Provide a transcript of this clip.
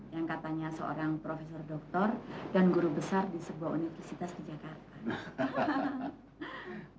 yang katanya seorang profesor doktor dan guru besar di sebuah universitas di jakarta